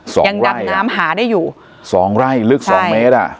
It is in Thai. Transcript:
ยังดำน้ำหาได้อยู่สองไร่ลึกสองเมตรอ่ะ